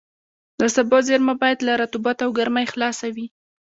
د سبو زېرمه باید له رطوبت او ګرمۍ خلاصه وي.